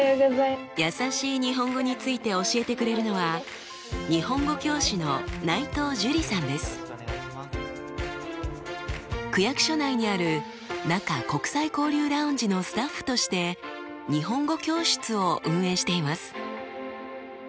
やさしい日本語について教えてくれるのは区役所内にあるなか国際交流ラウンジのスタッフとして日本語教室を運営しています。